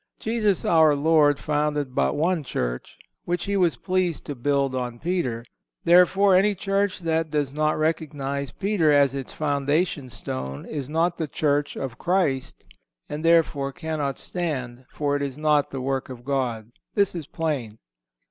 Jesus, our Lord, founded but one Church, which He was pleased to build on Peter. Therefore, any church that does not recognize Peter as its foundation stone is not the Church of Christ, and therefore cannot stand, for it is not the work of God. This is plain.